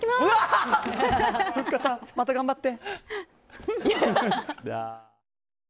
ふっかさん、また頑張って！